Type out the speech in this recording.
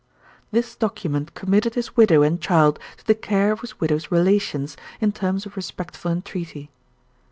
"This document committed his widow and child to the care of his widow's relations, in terms of respectful entreaty.